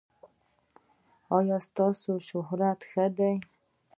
ایا ستاسو شهرت ښه دی؟